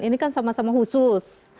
ini kan sama sama khusus